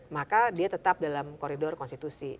maka dia tetap dalam koridor konstitusi